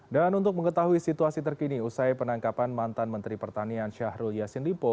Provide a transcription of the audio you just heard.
dan untuk mengetahui situasi terkini usai penangkapan mantan menteri pertanian syahrul yassin limpo